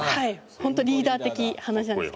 本当リーダー的話なんですけど。